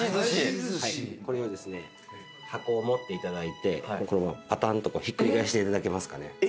これをですね箱を持っていただいてこのままパタンとひっくり返していただけますかね。